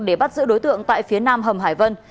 để bắt giữ đối tượng tại phía nam hầm hải vân